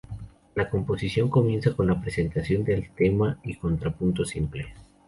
La composición comienza con la presentación del tema y contrapunto simple.